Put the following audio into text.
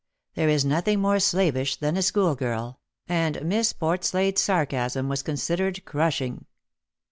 There is nothing more slavish than a schoolgirl ; and Miss Portslade's sarcasm was considered crushing.